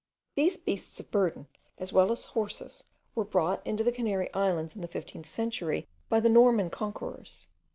These beasts of burden, as well as horses, were brought into the Canary Islands in the fifteenth century by the Norman conquerors.